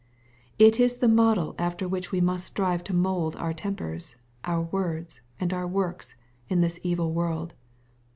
It is the model after which we must strive to mpld our tempers, our words, and our works, in this evil world.